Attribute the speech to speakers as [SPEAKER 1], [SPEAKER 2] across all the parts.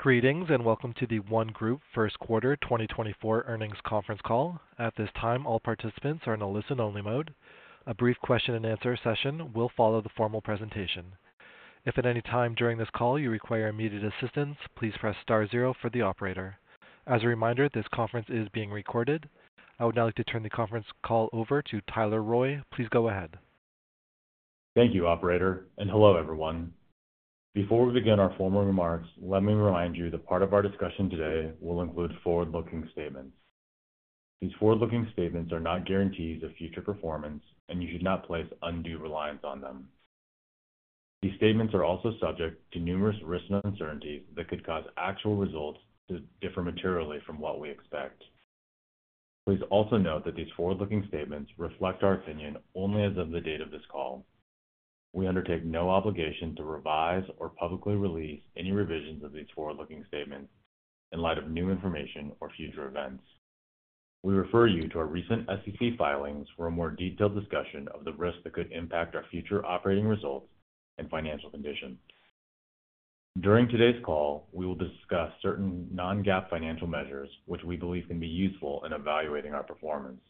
[SPEAKER 1] Greetings, and welcome to the ONE Group first quarter 2024 earnings conference call. At this time, all participants are in a listen-only mode. A brief question and answer session will follow the formal presentation. If at any time during this call you require immediate assistance, please press star zero for the operator. As a reminder, this conference is being recorded. I would now like to turn the conference call over to Tyler Loy. Please go ahead.
[SPEAKER 2] Thank you, operator, and hello, everyone. Before we begin our formal remarks, let me remind you that part of our discussion today will include forward-looking statements. These forward-looking statements are not guarantees of future performance, and you should not place undue reliance on them. These statements are also subject to numerous risks and uncertainties that could cause actual results to differ materially from what we expect. Please also note that these forward-looking statements reflect our opinion only as of the date of this call. We undertake no obligation to revise or publicly release any revisions of these forward-looking statements in light of new information or future events. We refer you to our recent SEC filings for a more detailed discussion of the risks that could impact our future operating results and financial condition. During today's call, we will discuss certain non-GAAP financial measures, which we believe can be useful in evaluating our performance.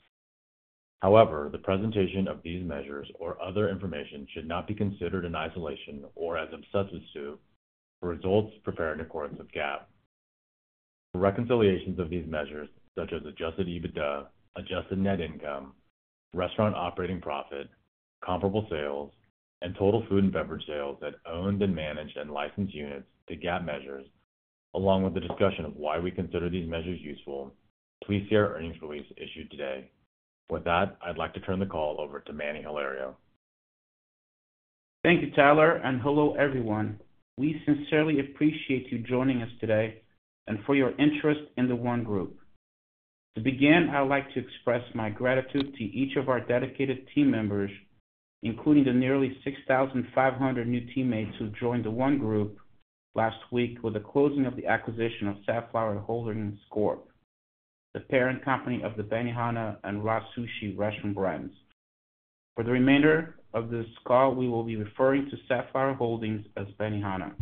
[SPEAKER 2] However, the presentation of these measures or other information should not be considered in isolation or as a substitute for results prepared in accordance with GAAP. For reconciliations of these measures, such as Adjusted EBITDA, Adjusted Net Income, Restaurant Operating Profit, Comparable Sales, and total food and beverage sales at owned and managed and licensed units to GAAP measures, along with a discussion of why we consider these measures useful, please see our earnings release issued today. With that, I'd like to turn the call over to Manny Hilario.
[SPEAKER 3] Thank you, Tyler, and hello, everyone. We sincerely appreciate you joining us today and for your interest in the ONE Group. To begin, I'd like to express my gratitude to each of our dedicated team members, including the nearly 6,500 new teammates who joined the ONE Group last week with the closing of the acquisition of Safflower Holdings Corp, the parent company of the Benihana and RA Sushi restaurant brands. For the remainder of this call, we will be referring to Safflower Holdings as Benihana.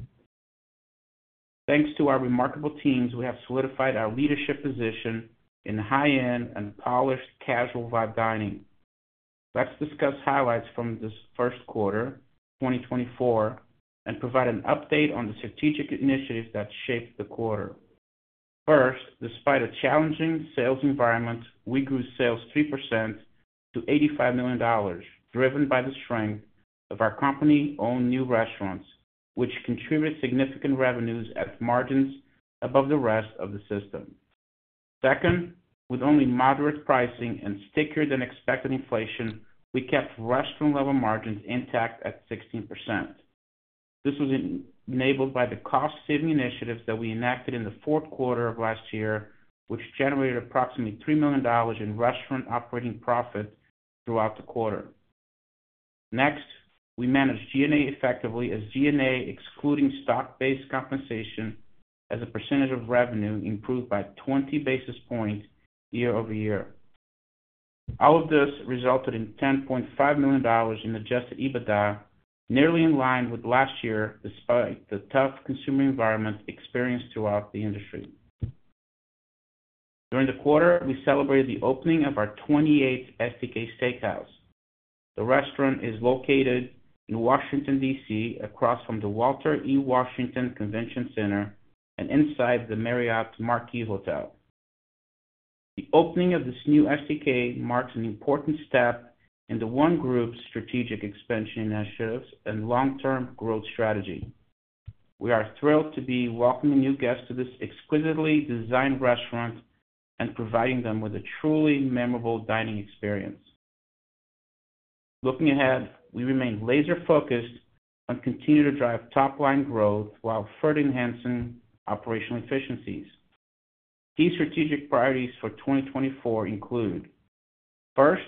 [SPEAKER 3] Thanks to our remarkable teams, we have solidified our leadership position in high-end and polished casual vibe dining. Let's discuss highlights from this first quarter, 2024, and provide an update on the strategic initiatives that shaped the quarter. First, despite a challenging sales environment, we grew sales 3% to $85 million, driven by the strength of our company-owned new restaurants, which contributed significant revenues at margins above the rest of the system. Second, with only moderate pricing and stickier than expected inflation, we kept restaurant level margins intact at 16%. This was enabled by the cost-saving initiatives that we enacted in the fourth quarter of last year, which generated approximately $3 million in restaurant operating profit throughout the quarter. Next, we managed G&A effectively as G&A, excluding stock-based compensation as a percentage of revenue, improved by 20 basis points year-over-year. All of this resulted in $10.5 million in adjusted EBITDA, nearly in line with last year, despite the tough consumer environment experienced throughout the industry. During the quarter, we celebrated the opening of our 28th STK Steakhouse. The restaurant is located in Washington, D.C., across from the Walter E. Washington Convention Center and inside the Marriott Marquis Hotel. The opening of this new STK marks an important step in the ONE Group's strategic expansion initiatives and long-term growth strategy. We are thrilled to be welcoming new guests to this exquisitely designed restaurant and providing them with a truly memorable dining experience. Looking ahead, we remain laser-focused on continuing to drive top-line growth while further enhancing operational efficiencies. Key strategic priorities for 2024 include, first,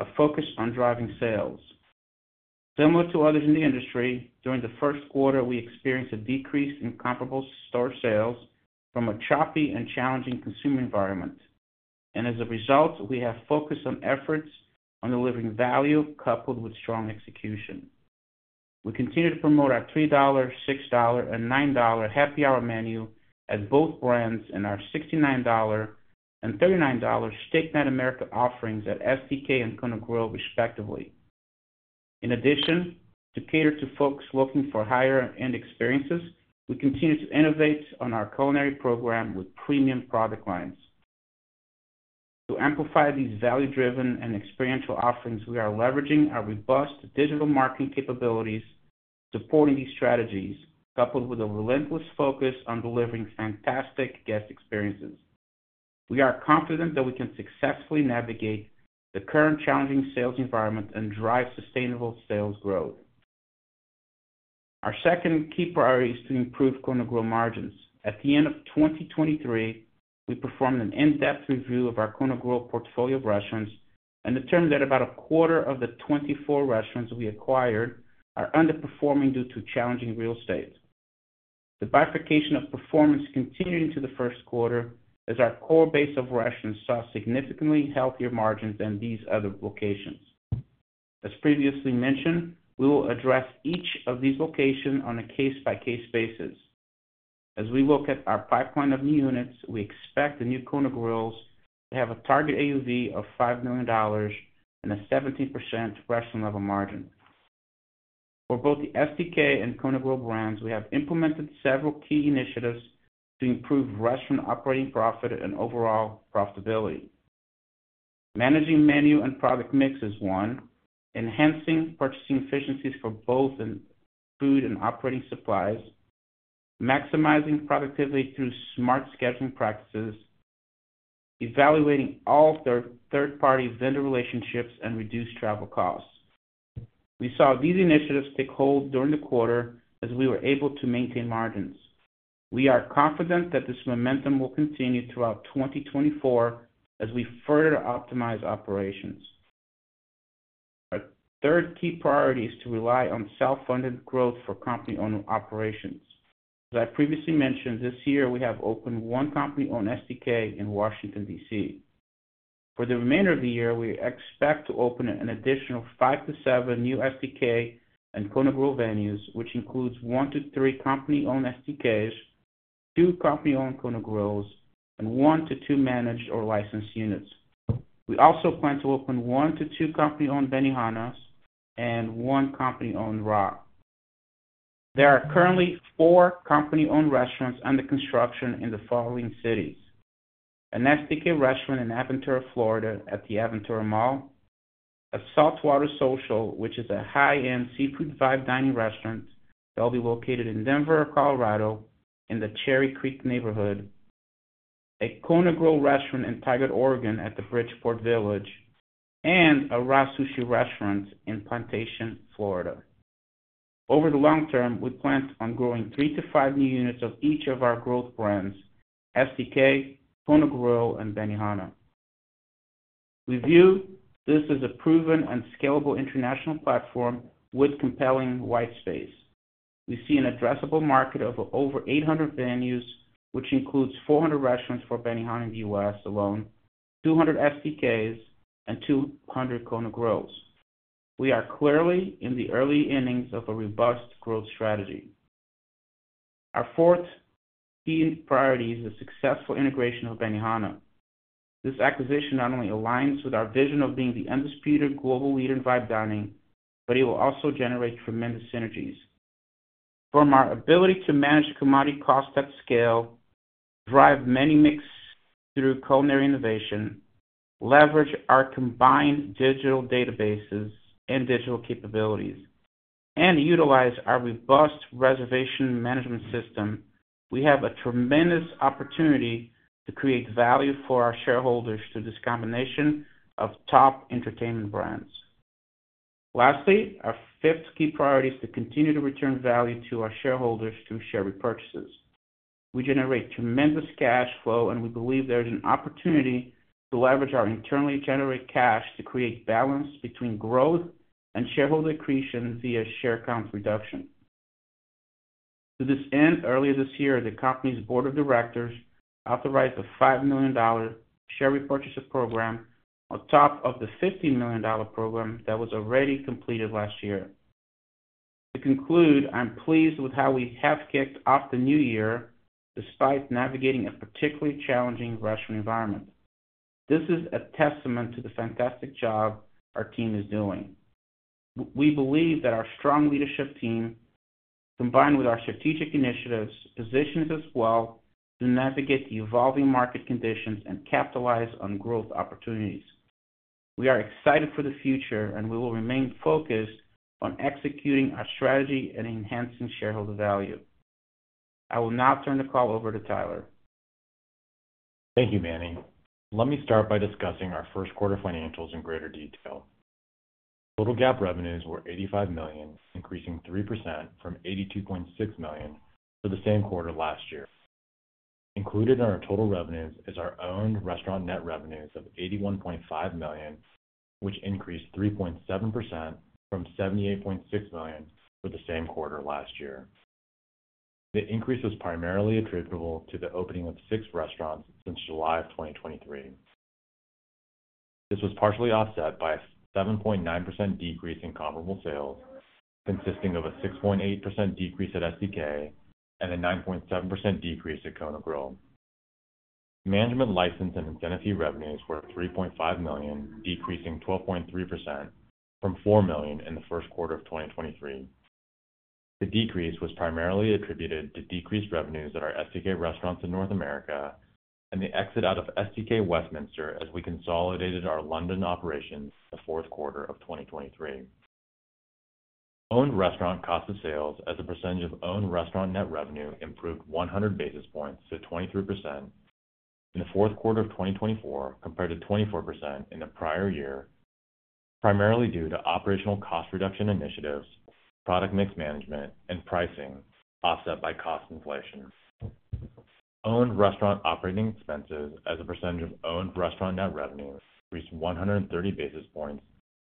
[SPEAKER 3] a focus on driving sales. Similar to others in the industry, during the first quarter, we experienced a decrease in comparable store sales from a choppy and challenging consumer environment, and as a result, we have focused on efforts on delivering value coupled with strong execution. We continue to promote our $3, $6, and $9 happy hour menu at both brands and our $69 and $39 Steak Night America offerings at STK and Kona Grill, respectively. In addition, to cater to folks looking for higher-end experiences, we continue to innovate on our culinary program with premium product lines. To amplify these value-driven and experiential offerings, we are leveraging our robust digital marketing capabilities, supporting these strategies, coupled with a relentless focus on delivering fantastic guest experiences. We are confident that we can successfully navigate the current challenging sales environment and drive sustainable sales growth. Our second key priority is to improve Kona Grill margins. At the end of 2023, we performed an in-depth review of our Kona Grill portfolio of restaurants and determined that about a quarter of the 24 restaurants we acquired are underperforming due to challenging real estate. The bifurcation of performance continued into the first quarter as our core base of restaurants saw significantly healthier margins than these other locations. As previously mentioned, we will address each of these locations on a case-by-case basis. As we look at our pipeline of new units, we expect the new Kona Grill to have a target AUV of $5 million and a 17% restaurant level margin. For both the STK and Kona Grill brands, we have implemented several key initiatives to improve restaurant operating profit and overall profitability. Managing menu and product mix is one, enhancing purchasing efficiencies for both in food and operating supplies, maximizing productivity through smart scheduling practices, evaluating all of their third-party vendor relationships, and reduced travel costs. We saw these initiatives take hold during the quarter as we were able to maintain margins. We are confident that this momentum will continue throughout 2024 as we further optimize operations. Our third key priority is to rely on self-funded growth for company-owned operations. As I previously mentioned, this year we have opened one company-owned STK in Washington, D.C. For the remainder of the year, we expect to open an additional 5-7 new STK and Kona Grill venues, which includes 1-3 company-owned STKs, two company-owned Kona Grills, and 1-2 managed or licensed units. We also plan to open 1-2 company-owned Benihanas and one company-owned RA. There are currently 4 company-owned restaurants under construction in the following cities: an STK restaurant in Aventura, Florida, at the Aventura Mall, a Saltwater Social, which is a high-end seafood vibe dining restaurant that will be located in Denver, Colorado, in the Cherry Creek neighborhood, a Kona Grill restaurant in Tigard, Oregon, at the Bridgeport Village, and an RA Sushi restaurant in Plantation, Florida. Over the long term, we plan on growing 3-5 new units of each of our growth brands, STK, Kona Grill, and Benihana. We view this as a proven and scalable international platform with compelling white space. We see an addressable market of over 800 venues, which includes 400 restaurants for Benihana in the U.S. alone, 200 STKs, and 200 Kona Grills. We are clearly in the early innings of a robust growth strategy. Our fourth key priority is the successful integration of Benihana. This acquisition not only aligns with our vision of being the undisputed global leader in vibe dining, but it will also generate tremendous synergies. From our ability to manage commodity costs at scale, drive menu mix through culinary innovation, leverage our combined digital databases and digital capabilities, and utilize our robust reservation management system, we have a tremendous opportunity to create value for our shareholders through this combination of top entertainment brands. Lastly, our fifth key priority is to continue to return value to our shareholders through share repurchases. We generate tremendous cash flow, and we believe there is an opportunity to leverage our internally generated cash to create balance between growth and shareholder accretion via share count reduction. To this end, earlier this year, the company's board of directors authorized a $5 million share repurchase program on top of the $50 million program that was already completed last year. To conclude, I'm pleased with how we have kicked off the new year, despite navigating a particularly challenging restaurant environment. This is a testament to the fantastic job our team is doing. We believe that our strong leadership team, combined with our strategic initiatives, positions us well to navigate the evolving market conditions and capitalize on growth opportunities. We are excited for the future, and we will remain focused on executing our strategy and enhancing shareholder value. I will now turn the call over to Tyler.
[SPEAKER 2] Thank you, Manny. Let me start by discussing our first quarter financials in greater detail. Total GAAP revenues were $85 million, increasing 3% from $82.6 million for the same quarter last year. Included in our total revenues is our own restaurant net revenues of $81.5 million, which increased 3.7% from $78.6 million for the same quarter last year. The increase was primarily attributable to the opening of 6 restaurants since July of 2023. This was partially offset by a 7.9% decrease in comparable sales, consisting of a 6.8% decrease at STK and a 9.7% decrease at Kona Grill. Management license and incentive revenues were $3.5 million, decreasing 12.3% from $4 million in the first quarter of 2023. The decrease was primarily attributed to decreased revenues at our STK restaurants in North America and the exit out of STK Westminster as we consolidated our London operations in the fourth quarter of 2023. Owned restaurant cost of sales as a percentage of owned restaurant net revenue improved 100 basis points to 23% in the fourth quarter of 2024, compared to 24% in the prior year, primarily due to operational cost reduction initiatives, product mix management, and pricing offset by cost inflation. Owned restaurant operating expenses as a percentage of owned restaurant net revenues reached 130 basis points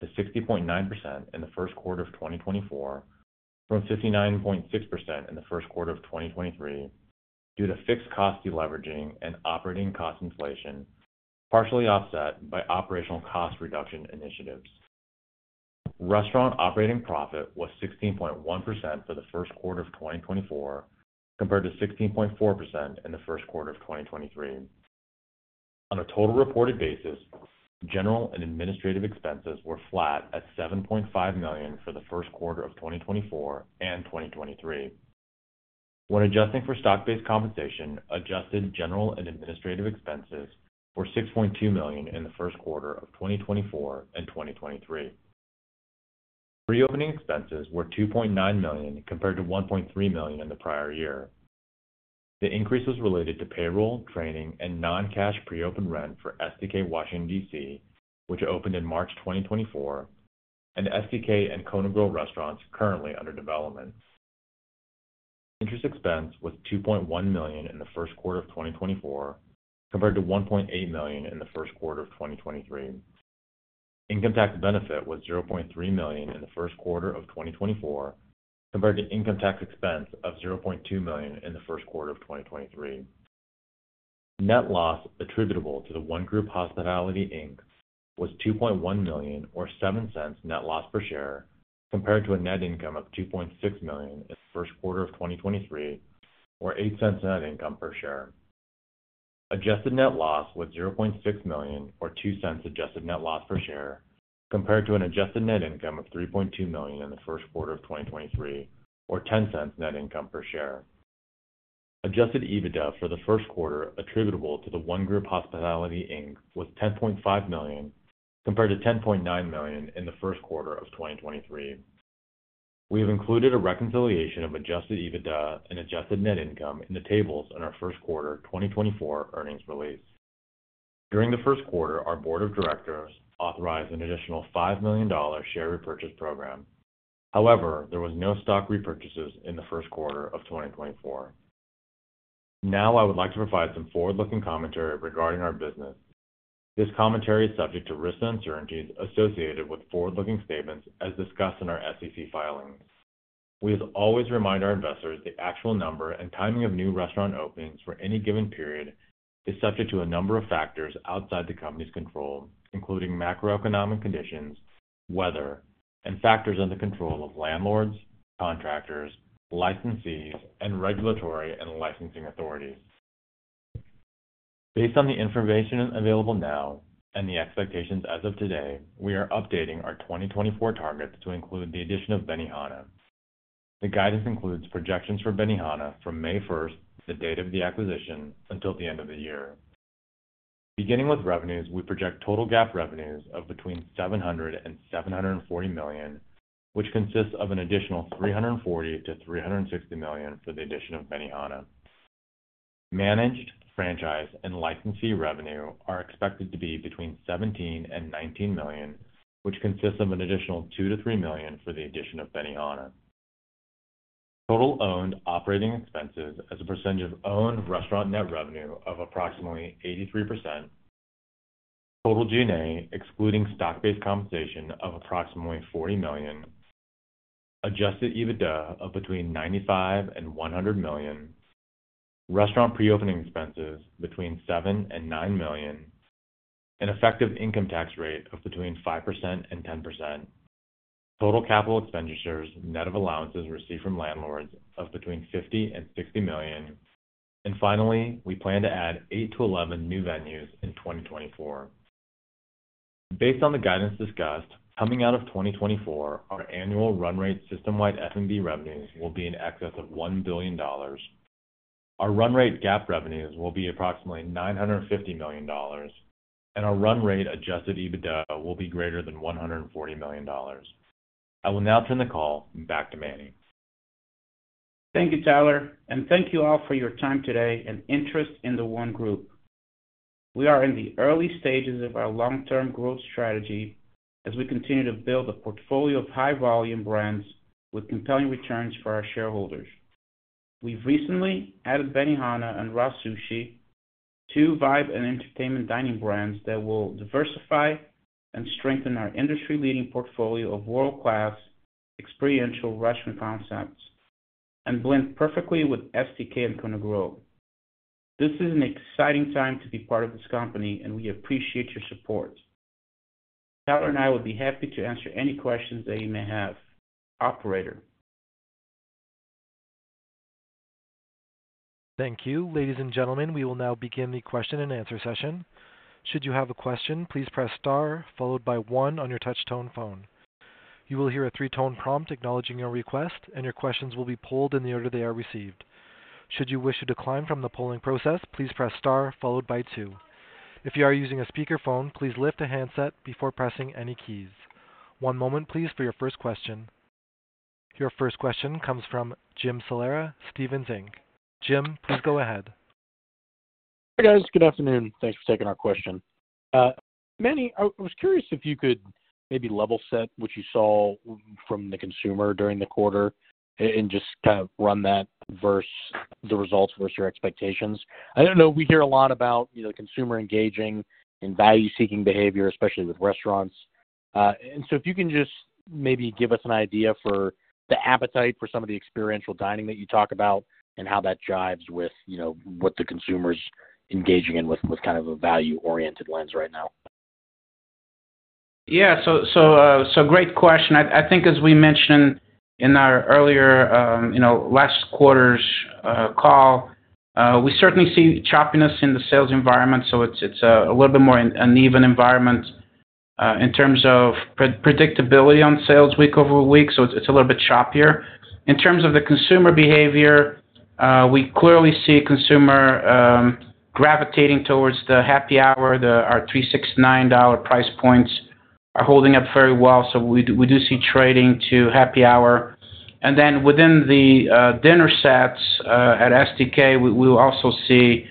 [SPEAKER 2] to 60.9% in the first quarter of 2024, from 59.6% in the first quarter of 2023.... due to fixed cost deleveraging and operating cost inflation, partially offset by operational cost reduction initiatives. Restaurant operating profit was 16.1% for the first quarter of 2024, compared to 16.4% in the first quarter of 2023. On a total reported basis, general and administrative expenses were flat at $7.5 million for the first quarter of 2024 and 2023. When adjusting for stock-based compensation, adjusted general and administrative expenses were $6.2 million in the first quarter of 2024 and 2023. Reopening expenses were $2.9 million, compared to $1.3 million in the prior year. The increase was related to payroll, training, and non-cash pre-open rent for STK Washington, D.C., which opened in March 2024, and STK and Kona Grill restaurants currently under development. Interest expense was $2.1 million in the first quarter of 2024, compared to $1.8 million in the first quarter of 2023. Income tax benefit was $0.3 million in the first quarter of 2024, compared to income tax expense of $0.2 million in the first quarter of 2023. Net loss attributable to The ONE Group Hospitality, Inc., was $2.1 million, or $0.07 net loss per share, compared to a net income of $2.6 million in the first quarter of 2023, or $0.08 net income per share. Adjusted net loss was $0.6 million, or $0.02 adjusted net loss per share, compared to an adjusted net income of $3.2 million in the first quarter of 2023, or $0.10 net income per share. Adjusted EBITDA for the first quarter attributable to The ONE Group Hospitality, Inc., was $10.5 million, compared to $10.9 million in the first quarter of 2023. We have included a reconciliation of Adjusted EBITDA and Adjusted Net Income in the tables in our first quarter 2024 earnings release. During the first quarter, our board of directors authorized an additional $5 million share repurchase program. However, there was no stock repurchases in the first quarter of 2024. Now I would like to provide some forward-looking commentary regarding our business. This commentary is subject to risks and uncertainties associated with forward-looking statements as discussed in our SEC filings. We always remind our investors the actual number and timing of new restaurant openings for any given period is subject to a number of factors outside the company's control, including macroeconomic conditions, weather, and factors under control of landlords, contractors, licensees, and regulatory and licensing authorities. Based on the information available now and the expectations as of today, we are updating our 2024 targets to include the addition of Benihana. The guidance includes projections for Benihana from May 1, the date of the acquisition, until the end of the year. Beginning with revenues, we project total GAAP revenues of between $700 million and $740 million, which consists of an additional $340 million to $360 million for the addition of Benihana. Managed, franchise, and licensee revenue are expected to be between $17 million and $19 million, which consists of an additional $2 million-$3 million for the addition of Benihana. Total owned operating expenses as a percentage of owned restaurant net revenue of approximately 83%. Total G&A, excluding stock-based compensation, of approximately $40 million. Adjusted EBITDA of between $95 million and $100 million. Restaurant pre-opening expenses between $7 million and $9 million. An effective income tax rate of between 5% and 10%. Total capital expenditures, net of allowances received from landlords, of between $50 million and $60 million. And finally, we plan to add 8-11 new venues in 2024. Based on the guidance discussed, coming out of 2024, our annual run rate system-wide F&B revenues will be in excess of $1 billion. Our run rate GAAP revenues will be approximately $950 million, and our run rate Adjusted EBITDA will be greater than $140 million. I will now turn the call back to Manny.
[SPEAKER 3] Thank you, Tyler, and thank you all for your time today and interest in The ONE Group. We are in the early stages of our long-term growth strategy as we continue to build a portfolio of high-volume brands with compelling returns for our shareholders. We've recently added Benihana and RA Sushi, two vibe and entertainment dining brands that will diversify and strengthen our industry-leading portfolio of world-class experiential restaurant concepts and blend perfectly with STK and Kona Grill. This is an exciting time to be part of this company, and we appreciate your support. Tyler and I would be happy to answer any questions that you may have. Operator?
[SPEAKER 1] Thank you. Ladies and gentlemen, we will now begin the question-and-answer session. Should you have a question, please press star followed by one on your touch tone phone. You will hear a three-tone prompt acknowledging your request, and your questions will be polled in the order they are received. Should you wish to decline from the polling process, please press star followed by two. If you are using a speakerphone, please lift the handset before pressing any keys. One moment, please, for your first question. Your first question comes from Jim Salera, Stephens Inc. Jim, please go ahead.
[SPEAKER 4] Hi, guys. Good afternoon. Thanks for taking our question. Manny, I was curious if you could maybe level set what you saw from the consumer during the quarter and just kind of run that versus the results versus your expectations. I don't know, we hear a lot about, you know, consumer engaging in value-seeking behavior, especially with restaurants. And so if you can just maybe give us an idea for the appetite for some of the experiential dining that you talk about, and how that jives with, you know, what the consumer's engaging in with kind of a value-oriented lens right now.
[SPEAKER 3] Yeah. So great question. I think as we mentioned in our earlier, you know, last quarter's call, we certainly see choppiness in the sales environment, so it's a little bit more an uneven environment in terms of predictability on sales week over week, so it's a little bit choppier. In terms of the consumer behavior, we clearly see consumer gravitating towards the Happy Hour. Our $3, $6, and $9 price points are holding up very well, so we do see trading to Happy Hour. And then within the dinner sets, at STK, we also see,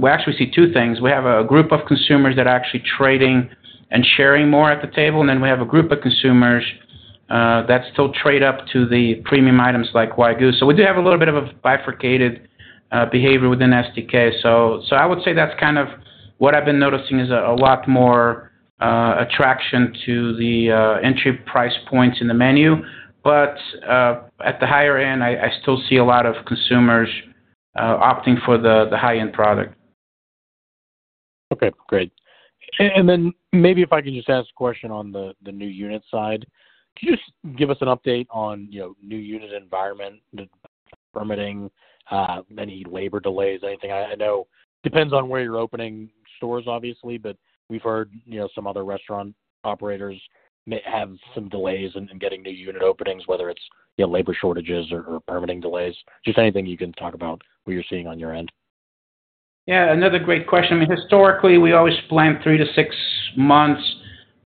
[SPEAKER 3] we actually see two things. We have a group of consumers that are actually trading and sharing more at the table, and then we have a group of consumers that still trade up to the premium items like Wagyu. So we do have a little bit of a bifurcated behavior within STK. So I would say that's kind of what I've been noticing, is a lot more attraction to the entry price points in the menu. But at the higher end, I still see a lot of consumers opting for the high-end product.
[SPEAKER 4] Okay, great. And, and then maybe if I can just ask a question on the, the new unit side. Could you just give us an update on, you know, new unit environment, the permitting, any labor delays, anything? I, I know depends on where you're opening stores, obviously, but we've heard, you know, some other restaurant operators may have some delays in, in getting new unit openings, whether it's, you know, labor shortages or, or permitting delays. Just anything you can talk about what you're seeing on your end.
[SPEAKER 3] Yeah, another great question. Historically, we always planned 3-6 months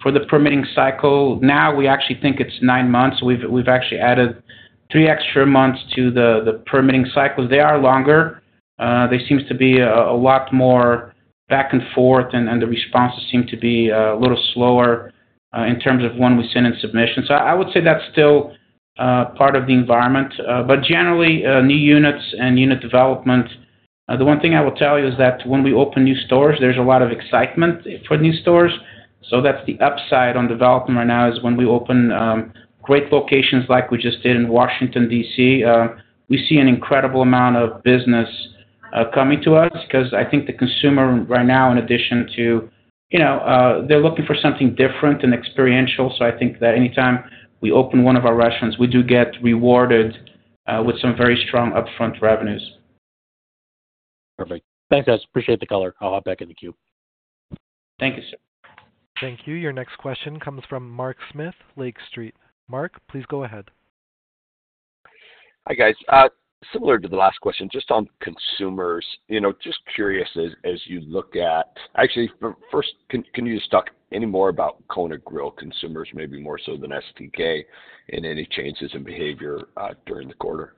[SPEAKER 3] for the permitting cycle. Now we actually think it's 9 months. We've actually added 3 extra months to the permitting cycle. They are longer. There seems to be a lot more back and forth, and the responses seem to be a little slower in terms of when we send in submissions. I would say that's still part of the environment. But generally, new units and unit development, the one thing I will tell you is that when we open new stores, there's a lot of excitement for new stores. So that's the upside on development right now, is when we open great locations like we just did in Washington, D.C., we see an incredible amount of business coming to us because I think the consumer right now, in addition to, you know, they're looking for something different and experiential. So I think that anytime we open one of our restaurants, we do get rewarded with some very strong upfront revenues.
[SPEAKER 4] Perfect. Thanks, guys. Appreciate the color. I'll hop back in the queue.
[SPEAKER 3] Thank you, sir.
[SPEAKER 1] Thank you. Your next question comes from Mark Smith, Lake Street. Mark, please go ahead.
[SPEAKER 5] Hi, guys. Similar to the last question, just on consumers, you know, just curious, as you look at... Actually, first, can you just talk any more about Kona Grill consumers, maybe more so than STK, and any changes in behavior during the quarter?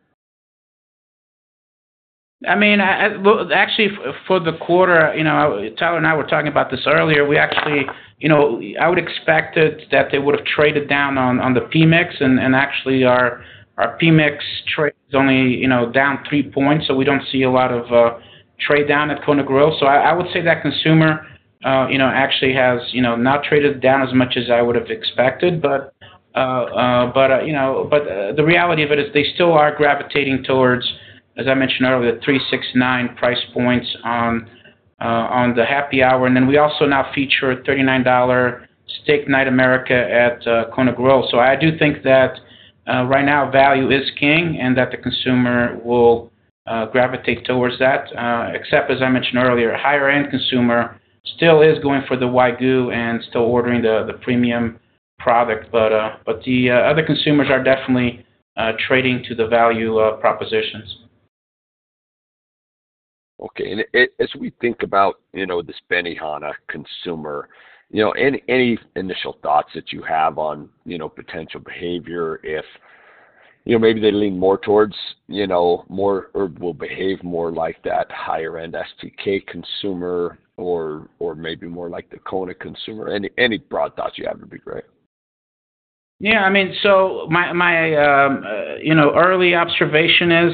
[SPEAKER 3] I mean, well, actually, for the quarter, you know, Tyler and I were talking about this earlier, we actually, you know, I would expect it that they would have traded down on the PMIX, and actually, our PMIX trade is only, you know, down 3 points, so we don't see a lot of trade down at Kona Grill. So I would say that consumer, you know, actually has, you know, not traded down as much as I would have expected. But, you know, the reality of it is they still are gravitating towards, as I mentioned earlier, the 3, 6, 9 price points on the Happy Hour. And then we also now feature a $39 Steak Night America at Kona Grill. So I do think that, right now, value is king, and that the consumer will gravitate towards that. Except as I mentioned earlier, higher-end consumer still is going for the Wagyu and still ordering the premium product. But the other consumers are definitely trading to the value propositions.
[SPEAKER 5] Okay. As we think about, you know, this Benihana consumer, you know, any, any initial thoughts that you have on, you know, potential behavior if, you know, maybe they lean more towards, you know, more or will behave more like that higher-end STK consumer or, or maybe more like the Kona consumer? Any, any broad thoughts you have would be great.
[SPEAKER 3] Yeah, I mean, so my early observation is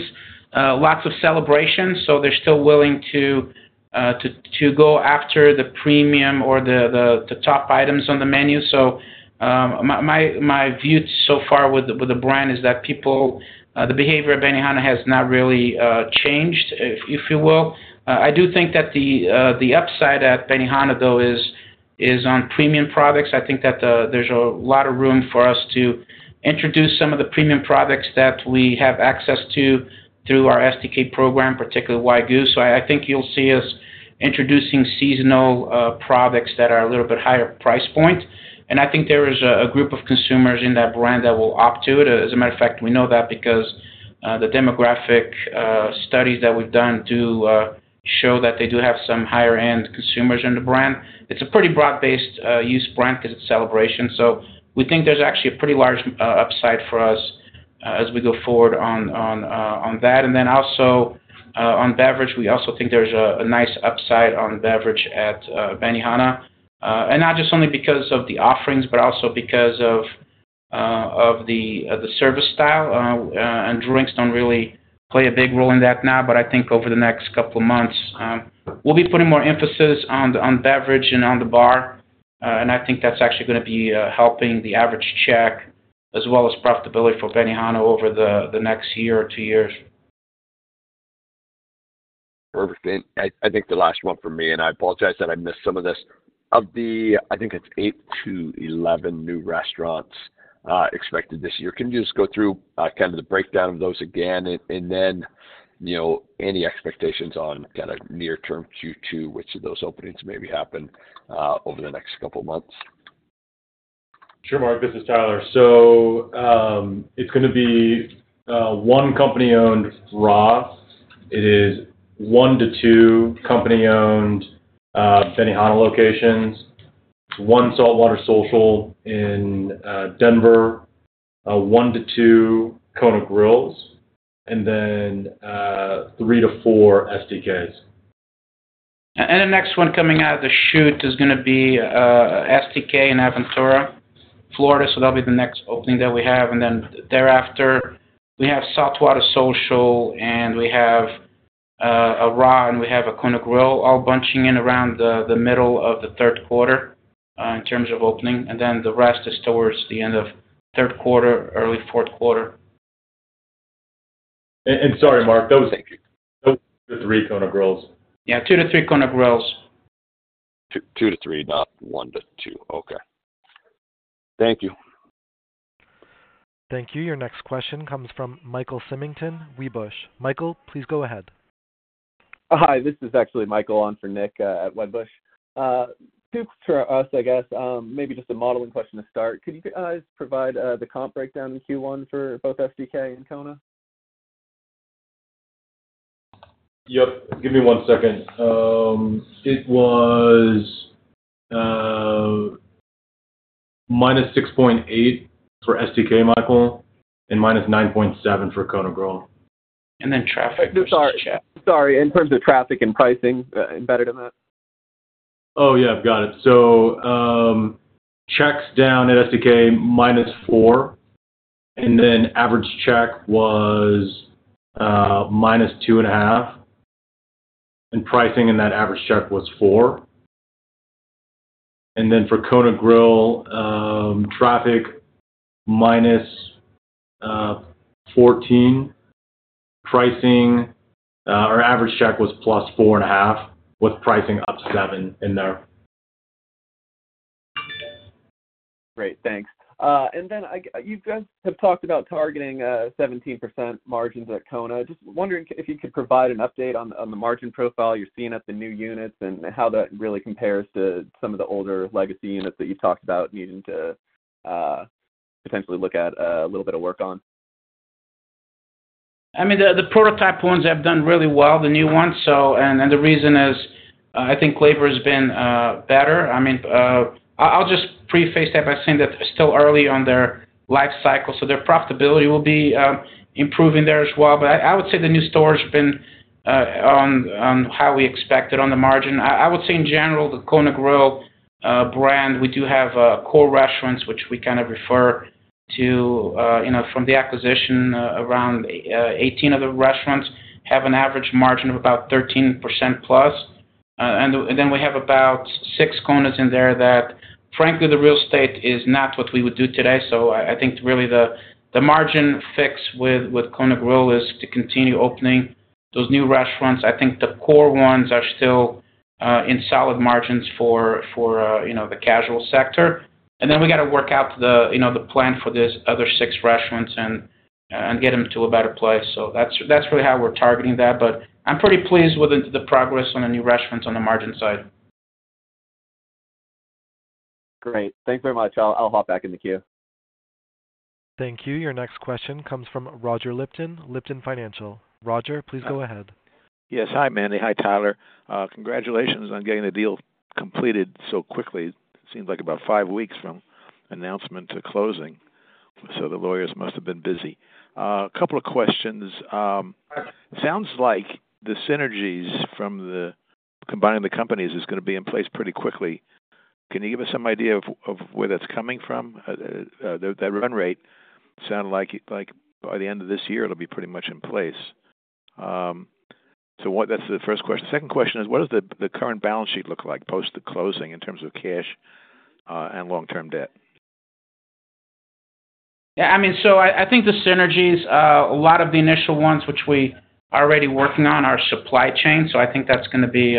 [SPEAKER 3] lots of celebrations, so they're still willing to go after the premium or the top items on the menu. So, my view so far with the brand is that the behavior of Benihana has not really changed, if you will. I do think that the upside at Benihana, though, is on premium products. I think that there's a lot of room for us to introduce some of the premium products that we have access to, through our SDK program, particularly Wagyu. So I think you'll see us introducing seasonal products that are a little bit higher price point, and I think there is a group of consumers in that brand that will opt to it. As a matter of fact, we know that because the demographic studies that we've done do show that they do have some higher-end consumers in the brand. It's a pretty broad-based use brand because it's celebration, so we think there's actually a pretty large upside for us as we go forward on that. And then also on beverage, we also think there's a nice upside on beverage at Benihana. And not just only because of the offerings, but also because of the service style, and drinks don't really play a big role in that now, but I think over the next couple of months, we'll be putting more emphasis on beverage and on the bar. I think that's actually gonna be helping the average check, as well as profitability for Benihana over the next year or two years.
[SPEAKER 5] Perfect. And I think the last one for me, and I apologize that I missed some of this. Of the, I think it's 8-11 new restaurants expected this year. Can you just go through kind of the breakdown of those again, and then, you know, any expectations on kinda near term Q2, which of those openings maybe happen over the next couple of months?
[SPEAKER 2] Sure, Mark, this is Tyler. So, it's gonna be 1 company-owned RA Sushi. It is 1-2 company-owned Benihana locations, 1 Salt Water Social in Denver, 1-2 Kona Grills, and then 3-4 STKs.
[SPEAKER 3] The next one coming out of the chute is gonna be STK in Aventura, Florida, so that'll be the next opening that we have. Then thereafter, we have Salt Water Social, and we have a RA, and we have a Kona Grill, all bunching in around the middle of the third quarter, in terms of opening. Then the rest is towards the end of third quarter, early fourth quarter.
[SPEAKER 2] Sorry, Mark, those-
[SPEAKER 3] Thank you.
[SPEAKER 2] 2-3 Kona Grills.
[SPEAKER 3] Yeah, 2-3 Kona Grills.
[SPEAKER 5] 2-3, not 1-2. Okay. Thank you.
[SPEAKER 1] Thank you. Your next question comes from Michael Symington, Wedbush. Michael, please go ahead.
[SPEAKER 6] Hi, this is actually Michael on for Nick at Wedbush. Two for us, I guess, maybe just a modeling question to start. Could you guys provide the comp breakdown in Q1 for both STK and Kona?
[SPEAKER 2] Yep. Give me one second. It was -6.8 for STK, Michael, and -9.7 for Kona Grill.
[SPEAKER 3] And then traffic-
[SPEAKER 6] Sorry. Sorry, in terms of traffic and pricing, better than that?
[SPEAKER 2] Oh, yeah, got it. So, checks down at STK -4%, and then average check was -2.5%, and pricing in that average check was 4%. And then for Kona Grill, traffic -14%. Pricing, our average check was +4.5%, with pricing up 7% in there.
[SPEAKER 6] Great, thanks. And then you guys have talked about targeting 17% margins at Kona. Just wondering if you could provide an update on the margin profile you're seeing at the new units, and how that really compares to some of the older legacy units that you talked about needing to potentially look at a little bit of work on.
[SPEAKER 3] I mean, the prototype ones have done really well, the new ones, so. And the reason is, I think labor has been better. I mean, I'll just preface that by saying that it's still early on in their life cycle, so their profitability will be improving there as well. But I would say the new store has been on how we expected on the margin. I would say in general, the Kona Grill brand, we do have core restaurants, which we kind of refer to, you know, from the acquisition. Around 18 of the restaurants have an average margin of about 13% plus. And then we have about 6 Konas in there that, frankly, the real estate is not what we would do today. So I think really the margin fix with Kona Grill is to continue opening those new restaurants. I think the core ones are still in solid margins for you know, the casual sector. And then we got to work out the you know, the plan for these other six restaurants and get them to a better place. So that's really how we're targeting that, but I'm pretty pleased with the progress on the new restaurants on the margin side.
[SPEAKER 6] Great. Thanks very much. I'll hop back in the queue.
[SPEAKER 1] Thank you. Your next question comes from Roger Lipton, Lipton Financial. Roger, please go ahead.
[SPEAKER 7] Yes. Hi, Manny. Hi, Tyler. Congratulations on getting the deal completed so quickly. It seems like about five weeks from announcement to closing, so the lawyers must have been busy. A couple of questions. Sounds like the synergies from combining the companies is gonna be in place pretty quickly. Can you give us some idea of where that's coming from? That run rate sound like by the end of this year, it'll be pretty much in place. So what-- that's the first question. The second question is, what does the current balance sheet look like post the closing in terms of cash and long-term debt?
[SPEAKER 3] Yeah, I mean, so I think the synergies, a lot of the initial ones, which we are already working on, are supply chain. So I think that's gonna be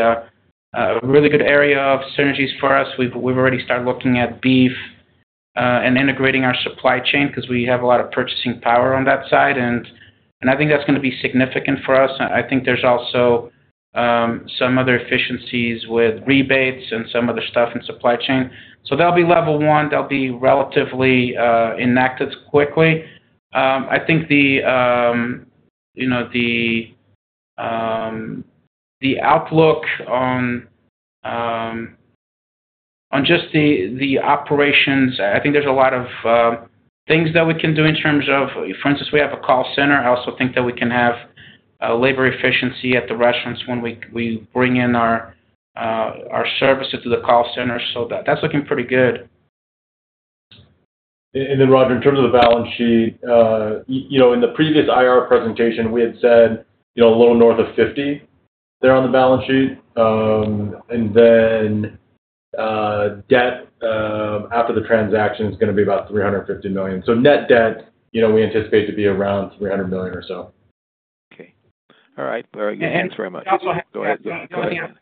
[SPEAKER 3] a really good area of synergies for us. We've already started looking at beef and integrating our supply chain because we have a lot of purchasing power on that side, and I think that's gonna be significant for us. I think there's also some other efficiencies with rebates and some other stuff in supply chain. So that'll be level one. That'll be relatively enacted quickly. I think you know the outlook on just the operations, I think there's a lot of things that we can do in terms of... For instance, we have a call center. I also think that we can have labor efficiency at the restaurants when we bring in our services to the call center, so that's looking pretty good.
[SPEAKER 2] And then, Roger, in terms of the balance sheet, you know, in the previous IR presentation, we had said, you know, a little north of 50 there on the balance sheet. And then, debt after the transaction is gonna be about $350 million. So net debt, you know, we anticipate to be around $300 million or so.
[SPEAKER 7] Okay. All right. All right, thanks very much.
[SPEAKER 3] Also have-
[SPEAKER 7] Go ahead. Yeah, go ahead.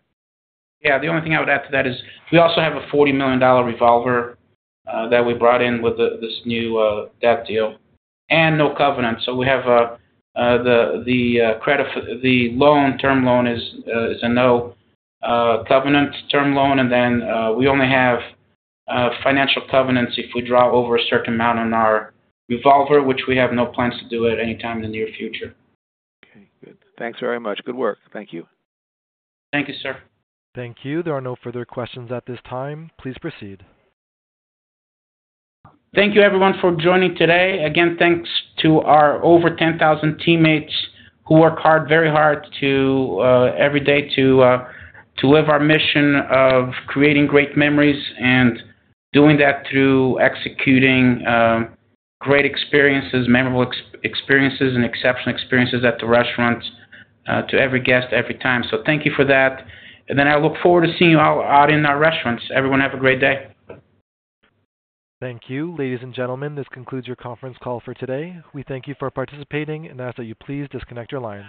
[SPEAKER 3] Yeah, the only thing I would add to that is, we also have a $40 million revolver that we brought in with the this new debt deal, and no covenant. So we have the credit for... The loan, term loan is a no covenant term loan. And then we only have financial covenants if we draw over a certain amount on our revolver, which we have no plans to do at any time in the near future.
[SPEAKER 7] Okay, good. Thanks very much. Good work. Thank you.
[SPEAKER 3] Thank you, sir.
[SPEAKER 1] Thank you. There are no further questions at this time. Please proceed.
[SPEAKER 3] Thank you, everyone, for joining today. Again, thanks to our over 10,000 teammates who work hard, very hard, to every day to live our mission of creating great memories and doing that through executing great experiences, memorable experiences, and exceptional experiences at the restaurants to every guest, every time. So thank you for that. And then I look forward to seeing you all out in our restaurants. Everyone, have a great day.
[SPEAKER 1] Thank you. Ladies and gentlemen, this concludes your conference call for today. We thank you for participating, and ask that you please disconnect your lines.